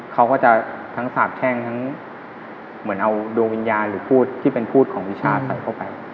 เขาก็จะทั้งสาบแช่งทั้งเหมือนเอาดวงวิญญาณหรือพูดที่เป็นพูดของวิชาใส่เข้าไป